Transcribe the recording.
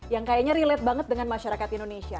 yang kayaknya relate banget dengan masyarakat indonesia